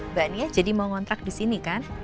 mbak nia jadi mau ngontrak di sini kan